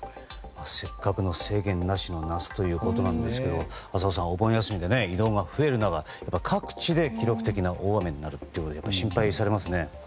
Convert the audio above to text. せっかくの制限なしの夏ということですが浅尾さん、お盆休みで移動が増える中各地で記録的な大雨になっていて心配されますね。